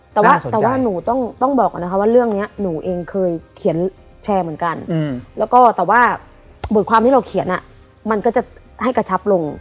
แต่ว่าหนูต้องบอกก่อนนะคะว่าเรื่องนี้หนูเองเคยเขียนแชร์เหมือนกันแล้วก็แต่ว่าบทความที่เราเขียนมันก็จะให้กระชับลง